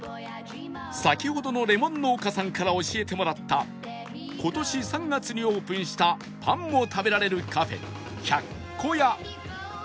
先ほどのレモン農家さんから教えてもらった今年３月にオープンしたパンを食べられるカフェ ＨＹＡＫＫＯＹＡ